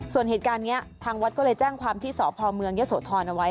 ส่วนเหตุการณ์นี้ทางวัดก็เลยแจ้งความที่สพเมืองยะโสธรเอาไว้